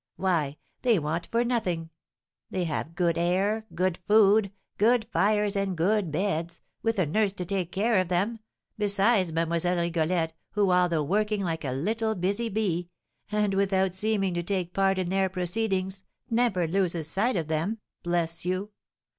Why, they want for nothing; they have good air, good food, good fires, and good beds, with a nurse to take care of them, besides Mlle. Rigolette, who, although working like a little busy bee, and without seeming to take part in their proceedings, never loses sight of them, bless you!